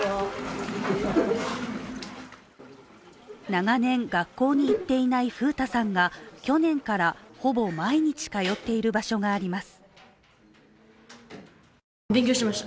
長年学校に行っていない楓太さんが去年から、ほぼ毎日通っている場所があります。